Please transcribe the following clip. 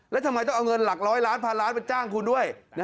แล้วทำไมต้องเอาเงินหลักร้อยล้านพันล้านไปจ้างคุณด้วย